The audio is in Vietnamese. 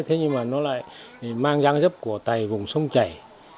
thế nhưng mà nó lại mang giang dấp của tài vùng sông chảy